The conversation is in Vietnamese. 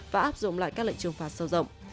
và áp dụng lại các lệnh trừng phạt sâu rộng